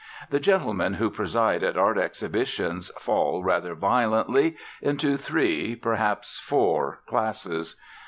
The gentlemen who preside at art exhibitions fall, rather violently, into three, perhaps four, classes.